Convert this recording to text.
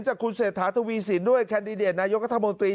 จากคุณเศรษฐาทวีสินด้วยแคนดิเดตนายกัธมนตรี